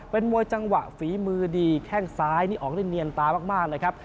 เป็นมวยจังหวะฝีมือดีแข้งซ้ายนี่ออกได้เนียนตามากเลยครับ